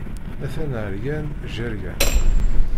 Atan ɛeryan, jeryan.